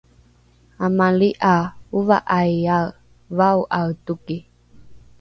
amali ’a ova’aiae vao’ae toki